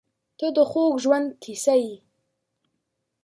• ته د خوږ ژوند کیسه یې.